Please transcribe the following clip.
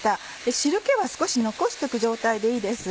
汁気は少し残しとく状態でいいです。